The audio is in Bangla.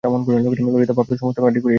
ললিতার বাপ তো সমস্ত মাটি করিয়াই দিয়াছিলেন।